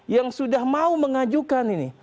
yang sudah mau mengajukan ini